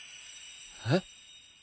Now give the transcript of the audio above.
えっ？